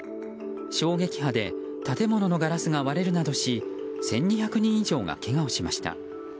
衝撃波で建物のガラスが割れるなどし１２００人以上がけがをしました。